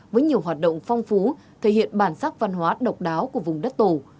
với nhiều hoạt động phong phú thể hiện bản sắc văn hóa độc đáo của vùng đất tổ